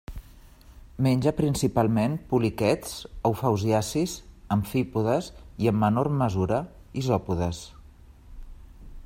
Menja principalment poliquets, eufausiacis, amfípodes i, en menor mesura, isòpodes.